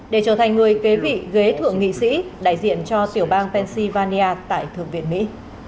để trở thành người kế vị ghế thượng nghị sĩ đại diện cho tiểu bang pennsylvania tại thượng viện mỹ